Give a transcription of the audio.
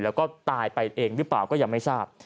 แล้วก็ตายไปเองหรือเปล่าก็ยังไม่ทราบ